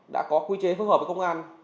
đã có quy chế phức hợp với công an